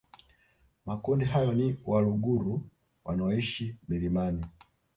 Makundi hayo ni Waluguru wanaoishi milimani